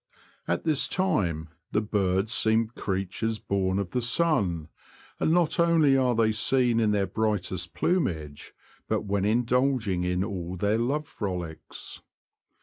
At this time the birds seem creatures ' born of the sun, and not only are they seen in ; their brightest plumage, but when indulging in all their love frolics.